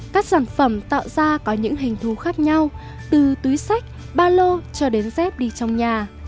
các sản phẩm tạo ra có những hình thú khác nhau từ túi sách ba lô cho đến dép đi trong nhà